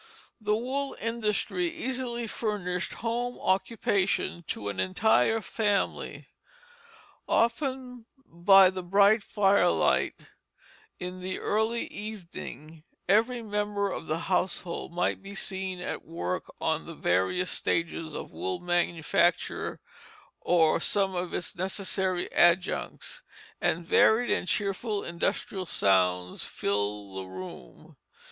The wool industry easily furnished home occupation to an entire family. Often by the bright firelight in the early evening every member of the household might be seen at work on the various stages of wool manufacture or some of its necessary adjuncts, and varied and cheerful industrial sounds fill the room.